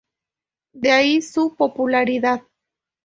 De ahí su popularidad.